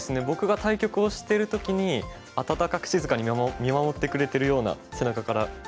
僕が対局をしてる時に温かく静かに見守ってくれてるような背中から。